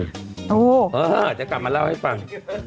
บ๊วยตรงกับมาแล้วให้ฟัง